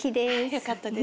よかったです。